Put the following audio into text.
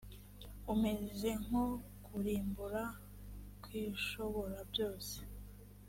umeze nko kurimbura kw’ishoborabyose